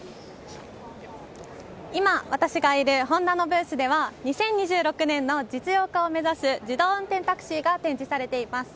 今、私がいるホンダのブースでは２０２６年の実用化を目指す自動運転タクシーが展示されています。